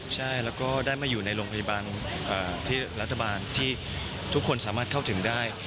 ใช่แล้วก็ได้มาอยู่ในโรงพยาบาลที่รัฐบาลที่ทุกคนสามารถเข้าถึงได้